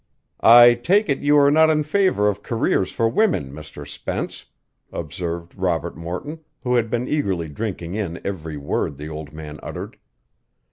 "I take it you are not in favor of careers for women, Mr. Spence," observed Robert Morton, who had been eagerly drinking in every word the old man uttered.